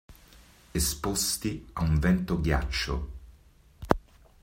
Esposti a un vento ghiaccio.